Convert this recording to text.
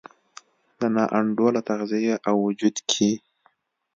د نا انډوله تغذیې او وجود کې